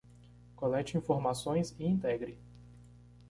Colete informações e integre